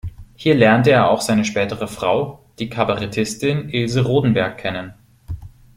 Hier lernte er auch seine spätere Frau, die Kabarettistin Ilse Rodenberg, kennen.